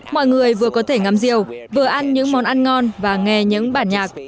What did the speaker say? mọi người vừa có thể ngắm rìu vừa ăn những món ăn ngon và nghe những bản nhạc